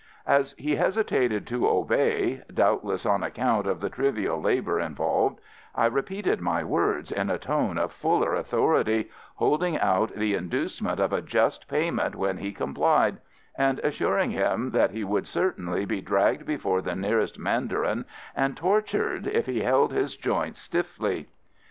As he hesitated to obey doubtless on account of the trivial labour involved I repeated my words in a tone of fuller authority, holding out the inducement of a just payment when he complied, and assuring him that he would certainly be dragged before the nearest mandarin and tortured if he held his joints stiffly.